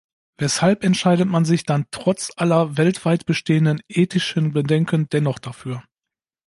Weshalb entscheidet man sich dann trotz aller weltweit bestehenden ethischen Bedenken dennoch dafür?